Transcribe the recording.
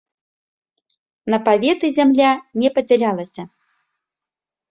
На паветы зямля не падзялялася.